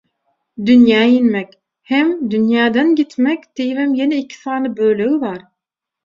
«Dünýä inmek» hem «dünýeden gitmek» diýibem ýene iki sany bölegi bar.